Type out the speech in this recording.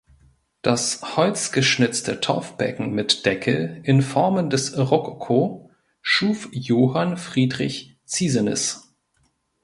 Das holzgeschnitzte Taufbecken mit Deckel in Formen des Rokoko schuf Johann Friedrich Ziesenis.